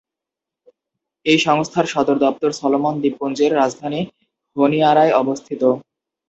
এই সংস্থার সদর দপ্তর সলোমন দ্বীপপুঞ্জের রাজধানী হোনিয়ারায় অবস্থিত।